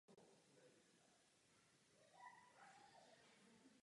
Vychodil školu a vyučil se malířem.